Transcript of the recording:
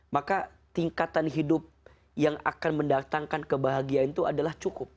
maka tingkatan hidup yang akan mendatangkan kebahagiaan itu adalah cukup